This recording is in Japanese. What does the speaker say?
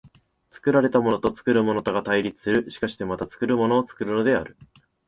作られたものと作るものとが対立する、しかしてまた作るものを作るのである。